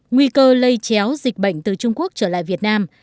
nguy cơ lây chéo dịch bệnh từ trung quốc trở lại việt nam